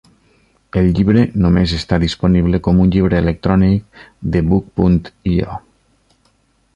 El llibre només està disponible com un llibre electrònic de Buk punt io.